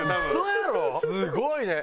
すごいね。